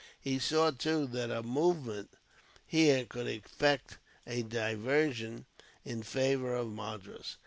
He saw, too, that a movement here would effect a diversion, in favour of Madras.